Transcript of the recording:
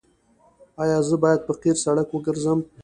ایا زه باید په قیر سړک وګرځم؟